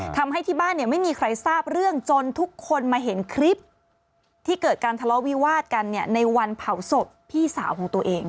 ทำให้ที่บ้านเนี่ยไม่มีใครทราบเรื่องจนทุกคนมาเห็นคลิปที่เกิดการทะเลาะวิวาดกันเนี่ยในวันเผาศพพี่สาวของตัวเอง